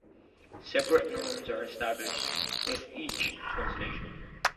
Separate norms are established with each translation.